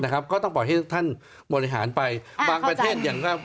ก็ต้องปล่อยให้ท่านบังประเทศ